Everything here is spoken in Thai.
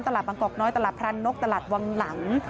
บางกอกน้อยตลาดพรานนกตลาดวังหลัง